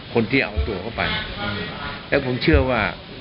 คนที่เอาตัวเข้าไปแล้วผมเชื่อว่า